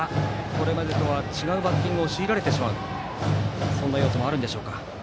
これまでとは違うバッティングを強いられてしまう要素もあるんでしょうか。